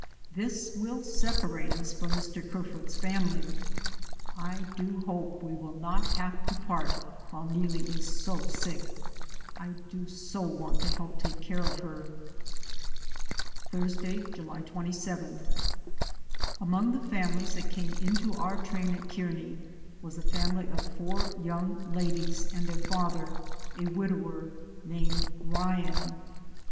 This will separate us from Mr. Ker foot's family; I do hope we will not have to part while Neelie is so sick. I do so want to help take care of her. DAYS ON THE ROAD, 177 Thursday, July 2y. Among the families that came into our train at Kearney was a family of four young ladies and their father — a widower — named Ryan.